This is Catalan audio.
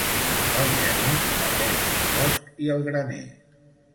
Pel gener pateix el bosc i el graner.